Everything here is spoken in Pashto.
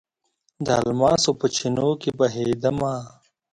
د الماسو په چېنو کې بهیدمه